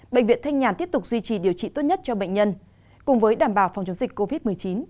bệnh viện thanh nhàn tiếp tục duy trì điều trị tốt nhất cho bệnh nhân cùng với đảm bảo phòng chống dịch covid một mươi chín